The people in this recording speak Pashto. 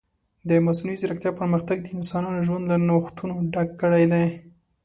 د مصنوعي ځیرکتیا پرمختګ د انسانانو ژوند له نوښتونو ډک کړی دی.